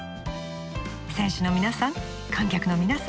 選手の皆さん観客の皆さん